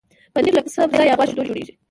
پنېر له پسه، بزه یا غوا شیدو جوړېږي.